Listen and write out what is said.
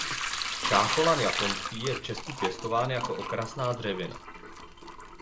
Šácholan japonský je v Česku pěstován jako okrasná dřevina.